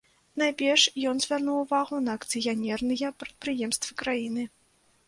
Найперш ён звярнуў увагу на акцыянерныя прадпрыемствы краіны.